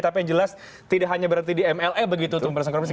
tapi yang jelas tidak hanya berhenti di mla begitu tuan presiden